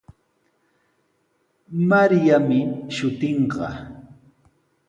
Mariami shutinqa.